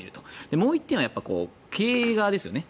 もう１点は経営側ですよね。